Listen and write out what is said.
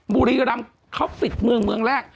บุรีรำเขาปิดเมืองเมืองแรก